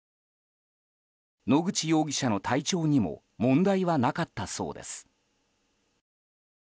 野口容疑者の体調にも問題はなかったそうです。